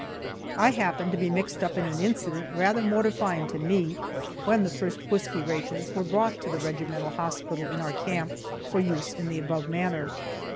I happened to be mixed up in an incident rather mortifying to me, when the first whisky rations were brought to the regimental hospital in our camp for use in the above manner.